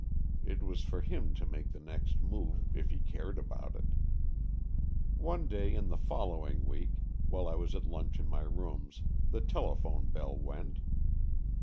It was for him to make the next move, if he cared about it. One day in the following week, while I was at lunch in my rooms, the telephone bell went.